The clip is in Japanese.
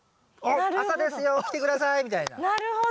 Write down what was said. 朝ですよ起きて下さいみたいな。